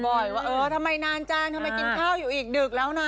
ว่าทำไมนานจังทำไมกินข้าวอีกดึกแล้ว